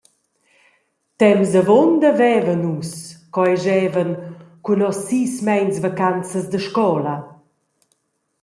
Temps avunda vevan nus, co ei schevan, cun nos sis meins vacanzas da scola.